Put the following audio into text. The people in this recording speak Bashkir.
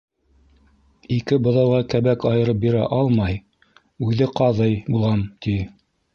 Ике быҙауға кәбәк айырып бирә алмай, үҙе ҡаҙый булам, ти.